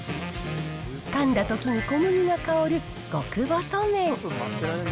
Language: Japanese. かんだときに小麦が香る極細麺。